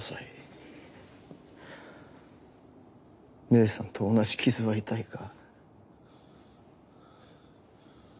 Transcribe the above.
姉さんと同じ傷は痛いか？